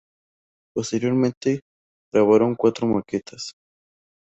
Posteriormente grabaron cuatro maquetas.